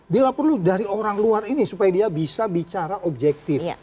bila perlu dari orang luar ini supaya dia bisa bicara objektif